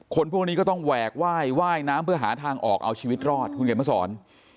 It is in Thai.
คนพวกนี้ก็ต้องแหวกไหว้ว่ายน้ำเพื่อหาทางออกเอาชีวิตรอดคุณเขียนมาสอน